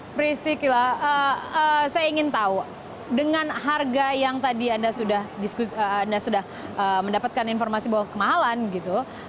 prisci kila saya ingin tahu dengan harga yang tadi anda sudah mendapatkan informasi bahwa kemahalan gitu